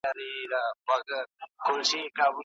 بس د رڼا په تمه ژوند کوي رڼا نه لري